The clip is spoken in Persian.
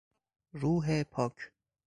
روح پاک